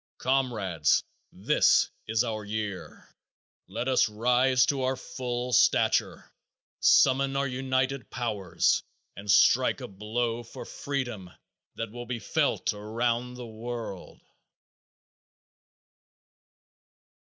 Comrades, this is our year! Let us rise to our full stature, summon our united powers, and strike a blow for freedom that will be felt around the world!